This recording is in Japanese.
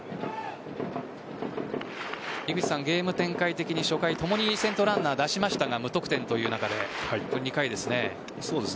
ゲーム展開的に初回ともに先頭ランナーを出しましたが無得点という中で２回ですね。